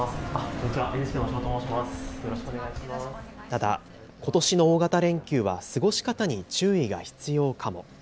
ただ、ことしの大型連休は過ごし方に注意が必要かも。